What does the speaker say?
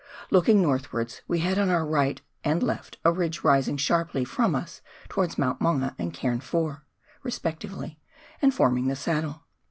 Looking northwards we had on our right and left a ridge rising sharply from us towards Mount Maunga and Cairn IV. respectively, and forming the saddle.